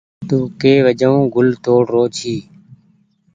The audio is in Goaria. تو ڪي وجون گل توڙ رو ڇي۔